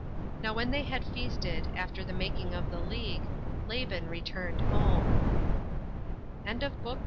Now when they had feasted, after the making of the league, Laban returned home. CHAPTER 20.